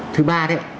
thứ ba đấy